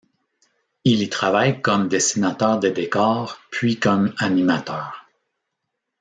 Il y travaille comme dessinateur des décors puis comme animateur.